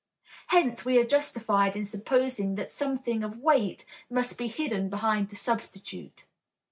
Hence, we are justified in supposing that something of weight must be hidden behind the substitute.